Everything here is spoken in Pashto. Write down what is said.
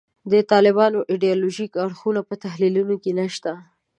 د طالبانو ایدیالوژیک اړخونه په تحلیلونو کې نشته.